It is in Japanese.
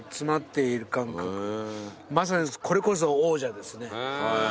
まさにこれこそ王者ですね。